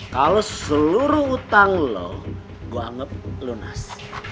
kalau seluruh hutang loh gue anggap lunas